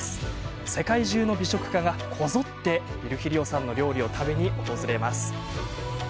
世界中の美食家がこぞってヴィルヒリオさんの料理を食べに訪れます。